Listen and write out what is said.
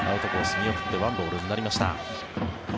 見送って１ボールになりました。